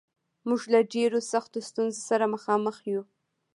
موږ له ډېرو سختو ستونزو سره مخامخ یو